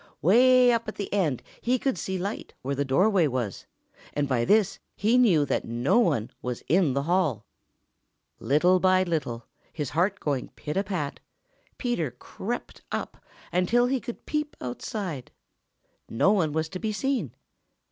Way up at the end he could see light where the doorway was, and by this he knew that no one was in the hall. Little by little, his heart going pit a pat, Peter crept up until he could peep outside. No one was to be seen.